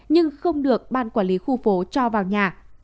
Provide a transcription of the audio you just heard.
nhưng không được ban quản lý khu phố cho vào nhà